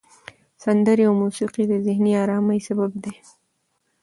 سندرې او موسیقي د ذهني آرامۍ سبب دي.